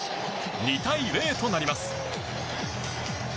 ２対０となります。